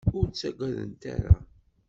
Ur ttaggadent ara.